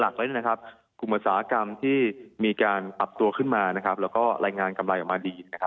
กรุงอสาหกรรมที่มีการปรับตัวขึ้นมานะครับแล้วก็รายงานกำไรออกมาดีนะครับ